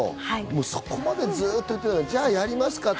そこまでずっと言ってるなら、じゃあやりますかと。